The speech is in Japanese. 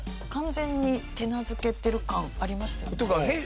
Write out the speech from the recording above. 完全に手なずけてる感ありましたよね。